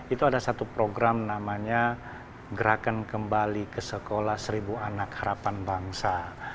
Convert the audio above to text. itu ada satu program namanya gerakan kembali ke sekolah seribu anak harapan bangsa